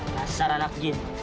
nasar anak jin